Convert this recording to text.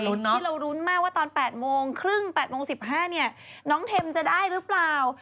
ที่เรารุ้นมากว่าตอน๘๓๐๘๑๕น้องเทมจะได้หรือเปล่า